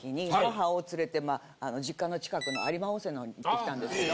実家の近くの有馬温泉の方に行ってきたんですけど。